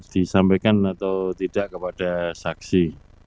disampaikan atau tidak kepada saksi